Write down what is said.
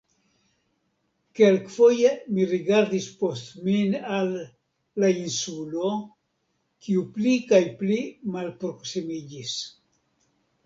Kelkfoje mi rigardis post min al "la Insulo", kiu pli kaj pli malproksimiĝis.